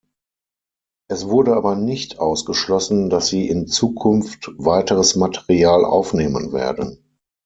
Es wurde aber nicht ausgeschlossen, dass sie in Zukunft weiteres Material aufnehmen werden.